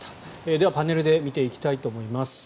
ではパネルで見ていきたいと思います。